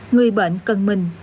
người bệnh cần mình